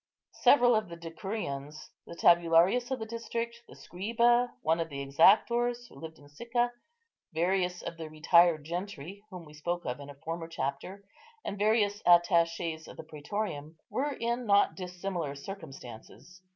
Several of the decurions, the tabularius of the district, the scriba, one of the exactors, who lived in Sicca, various of the retired gentry, whom we spoke of in a former chapter, and various attachés of the prætorium, were in not dissimilar circumstances.